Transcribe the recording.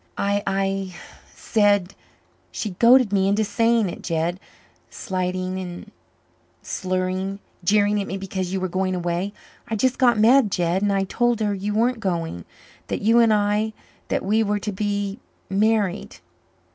"I I said she goaded me into saying it, Jed slighting and slurring jeering at me because you were going away. I just got mad, Jed and I told her you weren't going that you and I that we were to be married."